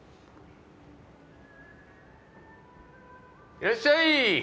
いらっしゃい！